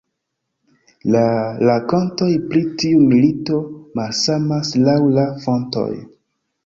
La rakontoj pri tiu milito malsamas laŭ la fontoj.